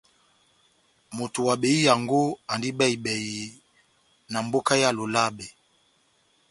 Moto wa behiyango andi bɛhi-bɛhi na mboka ya Lolabe.